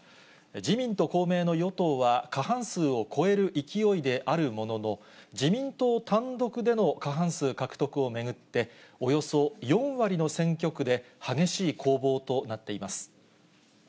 自民と公明の与党は、過半数を超える勢いであるものの、自民党単独での過半数獲得を巡って、およそ４割の選挙区で激しい攻防となっています。